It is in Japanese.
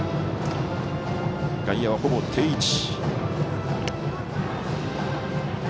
外野はほぼ定位置。